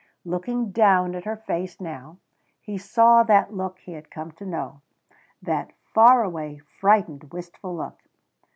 Looking down at her face now he saw that look he had come to know that far away, frightened, wistful look.